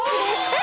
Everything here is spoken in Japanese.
え！